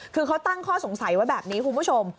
คือเขาตั้งข้อสงสัยไว้แบบนี้คุณผู้ชม